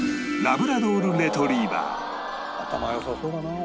頭良さそうだな。